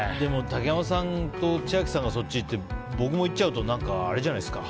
竹山さんと千秋さんがそっちに行って僕も行っちゃうとあれじゃないですか。